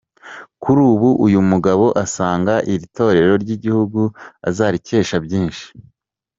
Kuri ubu uyu mugabo asanga iri torero ry'igihugu azarikesha byinshi.